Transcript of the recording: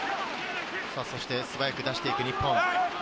素早く出していく日本。